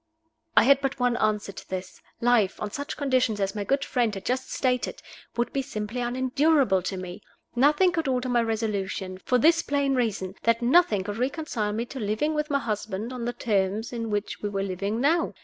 I had but one answer to this. Life, on such conditions as my good friend had just stated, would be simply unendurable to me. Nothing could alter my resolution for this plain reason, that nothing could reconcile me to living with my husband on the terms on which we were living now.